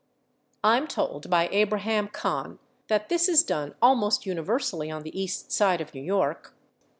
I am told by Abraham Cahan that this is done almost universally on the East Side of New York.